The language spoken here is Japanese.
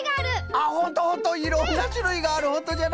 あっホントホントいろんなしゅるいがあるホントじゃな。